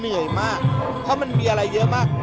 เหนื่อยมากเพราะมันมีอะไรเยอะมาก